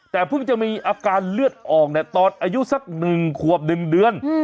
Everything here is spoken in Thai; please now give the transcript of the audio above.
แต่เพิ่งจะมีอาการเลือดออกตอนอายุสัก๑ขวบ๑เดือน